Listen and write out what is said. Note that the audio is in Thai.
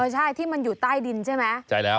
ใช่ที่มันอยู่ใต้ดินใช่ไหมใช่แล้ว